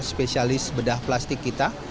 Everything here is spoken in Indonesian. spesialis bedah plastik kita